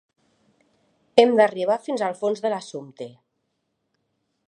Hem d'arribar fins al fons de l'assumpte.